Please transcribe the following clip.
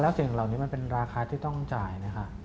การท้อนชื่นกันเหล่านี้มันเป็นราคาที่ต้องจ่ายไหมคะ